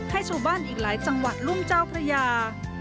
ให้ชาวบ้านอีกหลายจังหวัดลุ่มเจ้าพระยา